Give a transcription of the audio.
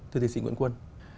thưa thầy sĩ nguyễn quân